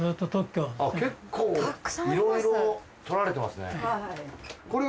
結構いろいろとられてますね。